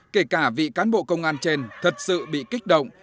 kể cả vị cán bộ công an trên thật sự bị kích động